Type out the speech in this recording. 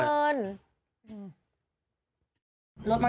ฟังเสียงน้องเฟิร์น